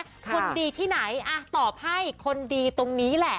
คนดีที่ไหนตอบให้คนดีตรงนี้แหละ